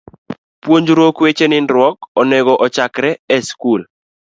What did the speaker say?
Puonjruok weche nindruok onego ochakre e skul.